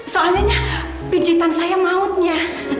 soalnya pijitan saya mautnya